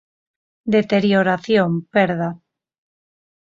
Deterioración, perda.